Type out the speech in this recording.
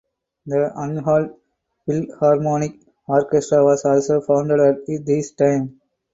The Anhalt Philharmonic Orchestra was also founded at this time.